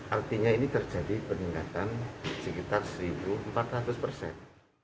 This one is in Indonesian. artinya ini terjadi peningkatan sekitar satu empat ratus persen